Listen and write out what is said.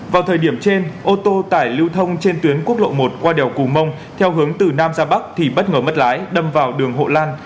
vào thời điểm trên ô tô tải lưu thông trên tuyến quốc lộ một qua đèo cù mông theo hướng từ nam ra bắc thì bất ngờ mất lái đâm vào đường hộ lan